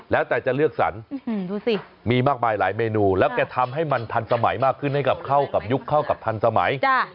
แล้วแต่จะเลือกสรรดูสิมีมากมายหลายเมนูแล้วแกทำให้มันทันสมัยมากขึ้นให้กับเข้ากับยุคเข้ากับทันสมัย